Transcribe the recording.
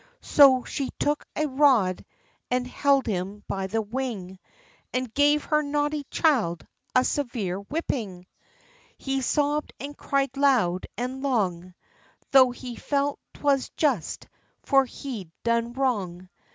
So she took a rod, and held him by the wing, And gave her naughty child a severe whipping. OF CHANTICLEER. 31 He sobbed and cried loud and long, Though he felt 'twas just, for he'd done wrong.